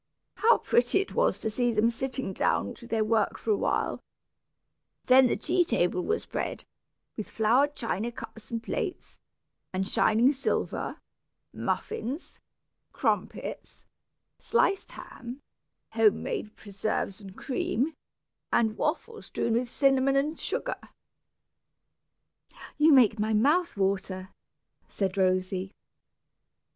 How pretty it was to see them sitting down to their work for awhile! Then the tea table was spread, with flowered china cups and plates, and shining silver, muffins, crumpets, sliced ham, home made preserves and cream, and waffles strewn with cinnamon and sugar " "You make my mouth water," said Rosy.